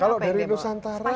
kalau dari nusantara